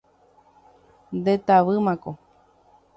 Ndetavýmako.